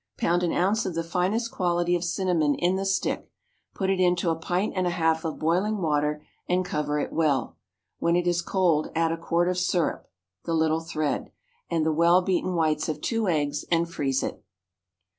Pound an ounce of the finest quality of cinnamon in the stick, put it into a pint and a half of boiling water, and cover it well; when it is cold add a quart of syrup (the little thread) and the well beaten whites of two eggs, and freeze it.